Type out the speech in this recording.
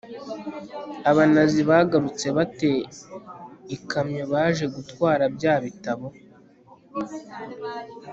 abanazi bagarutse ba te ikamyo baje gutwara bya bitabo